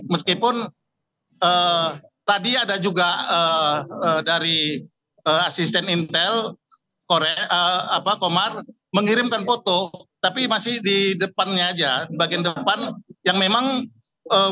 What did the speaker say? meskipun tadi ada juga dari asisten intel komar mengirimkan foto tapi masih di depannya aja bagian depan yang memang